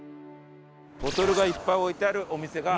ボトルがいっぱい置いてあるお店が。